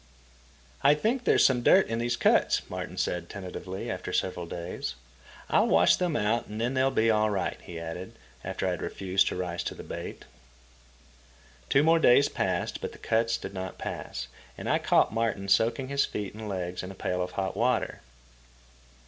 "I think there's some dirt in these cuts," Martin said tentatively, after several days. "I'll wash them out and then they'll be all right," he added, after I had refused to rise to the bait. Two more days passed, but the cuts did not pass, and I caught Martin soaking his feet and legs in a pail of hot water.